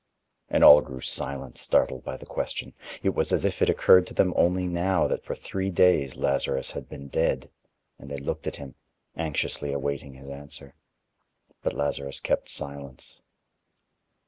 And all grew silent, startled by the question. It was as if it occurred to them only now that for three days Lazarus had been dead, and they looked at him, anxiously awaiting his answer. But Lazarus kept silence.